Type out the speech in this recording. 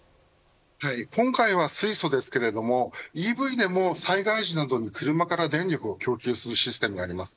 今回は水素ですがＥＶでも災害時などに車から電力を供給するシステムがあります。